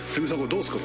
どうっすか？